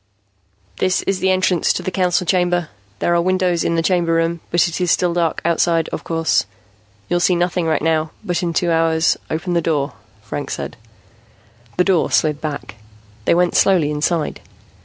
"This is the entrance to the Council Chamber. There are windows in the Chamber Room, but it is still dark outside, of course. You'll see nothing right now, but in two hours " "Open the door," Franks said. The door slid back. They went slowly inside.